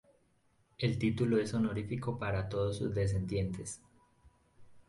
El título es honorífico para todos sus descendientes.